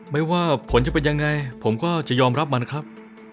ไม่ว่าผลจะเป็นยังไงผมก็จะยอมรับมันครับ